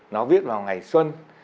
nó viết vào ngày xuân